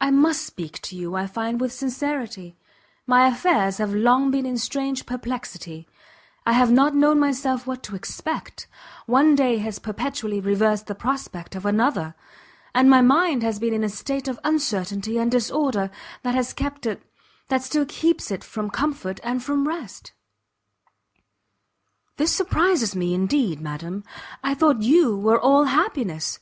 "I must speak to you, I find, with sincerity; my affairs have long been in strange perplexity: I have not known myself what to expect; one day has perpetually reversed the prospect of another, and my mind has been in a state of uncertainty and disorder, that has kept it that still keeps it from comfort and from rest!" "This surprises me indeed, madam! I thought you were all happiness!